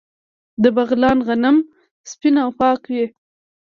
د بغلان غنم سپین او پاک وي.